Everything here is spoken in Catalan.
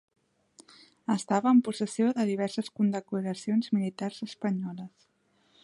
Estava en possessió de diverses condecoracions militars espanyoles.